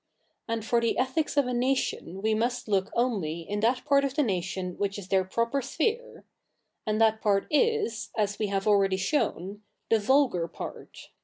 And for the ethics of a nation tve must look only in that part of the nation which is their proper sphere : and that part is, as we have already shown, the vulgar part.